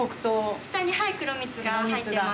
下に黒蜜が入ってます。